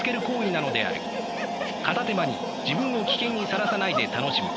片手間に自分を危険にさらさないで楽しむ。